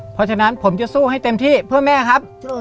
เพราะฉะนั้นผมจะสู้ให้เต็มที่เพื่อแม่ครับ